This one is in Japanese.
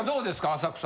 浅草。